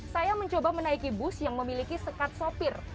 saya mencoba menaiki bus yang memiliki sekat sopir